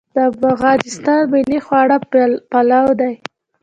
د افغانستان ملي خواړه پلاو دی